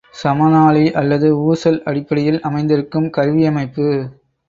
சமனாழி அல்லது ஊசல் அடிப்படையில் அமைந்திருக்கும் கருவியமைப்பு.